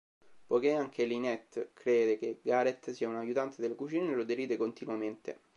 Poiché anche Lynette crede che Gareth sia un aiutante delle cucine, lo deride continuamente.